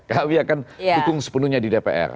kami akan dukung sepenuhnya di dpr